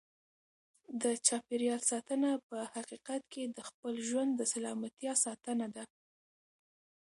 د چاپیریال ساتنه په حقیقت کې د خپل ژوند د سلامتیا ساتنه ده.